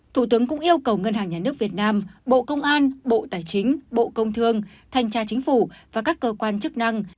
thủ tướng cũng yêu cầu ngân hàng nhà nước việt nam bộ công an bộ tài chính bộ công thương thanh tra chính phủ và các cơ quan chức năng